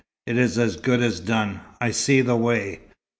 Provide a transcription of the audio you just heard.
_ It is as good as done. I see the way.